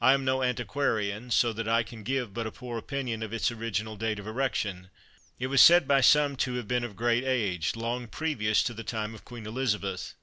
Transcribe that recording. I am no antiquarian, so that I can give but a poor opinion of its original date of erection. It was said by some to have been of great age long previous to the time of Queen Elizabeth.